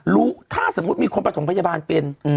รู้ถ้าสมมุติมีความประสงค์พยาบาลเป็น